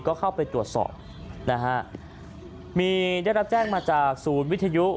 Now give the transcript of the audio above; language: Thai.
ก็เข้าไปตรวจสอบนะฮะมีได้รับแจ้งมาจากศูนย์วิทยุ